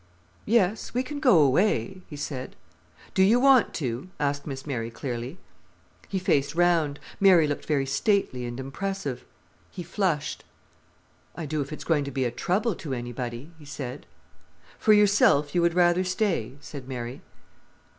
"Yes, we can go away," he said. "Do you want to?" asked Miss Mary clearly. He faced round. Mary looked very stately and impressive. He flushed. "I do if it's going to be a trouble to anybody," he said. "For yourself, you would rather stay?" said Mary.